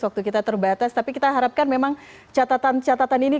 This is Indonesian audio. waktu kita terbatas tapi kita harapkan memang catatan catatan ini